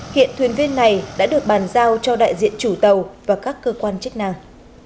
hiện thuyền viên này đã được bàn giao cho đại diện chủ tàu và các cơ quan chức năng